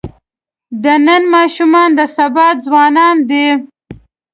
د نن ماشومان د سبا ځوانان دي.